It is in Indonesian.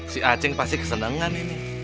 si acing pasti kesenangan ini